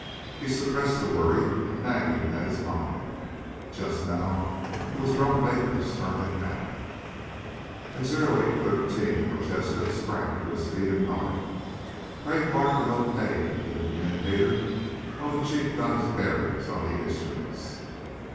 He suppressed the worry nagging at his mind. Just now it was Drone Baker's turn at bat. At 0813 Prochaska sprang to his feet and nodded. Crag barked an okay into the communicator while the Chief got his bearings on the instruments.